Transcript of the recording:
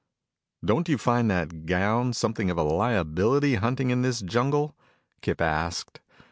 "Don't you find that gown something of a liability hunting in this jungle?" Kip asked.